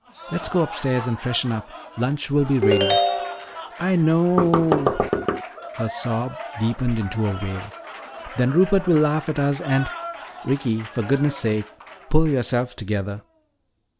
Let's go upstairs and freshen up. Lunch will be ready " "I kno o ow " her sob deepened into a wail. "Then Rupert will laugh at us and " "Ricky! For goodness sake, pull yourself together!"